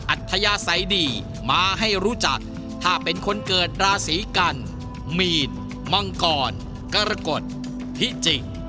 อัธยาศัยดีมาให้รู้จักถ้าเป็นคนเกิดราศีกันมีนมังกรกรกฎพิจิก